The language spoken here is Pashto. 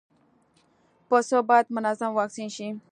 پسه باید منظم واکسین شي.